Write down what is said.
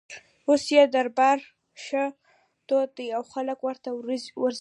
اوس یې دربار ښه تود دی او خلک ورته ورځي.